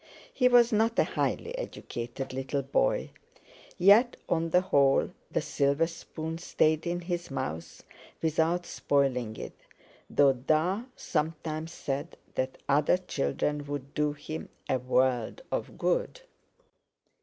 He was not a highly educated little boy. Yet, on the whole, the silver spoon stayed in his mouth without spoiling it, though "Da" sometimes said that other children would do him a "world of good."